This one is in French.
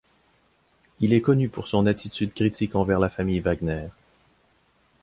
Il est connu pour son attitude critique envers la famille Wagner.